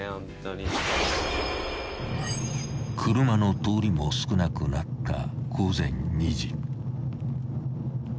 ［車の通りも少なくなった午前２時］